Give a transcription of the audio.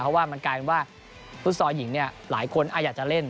เพราะว่ามันกลายเป็นว่าฟุตซอลหญิงเนี่ยหลายคนอยากจะเล่น